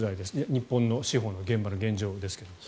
日本の司法の現場の現状ですけれども。